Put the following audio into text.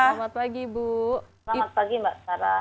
selamat pagi mbak tara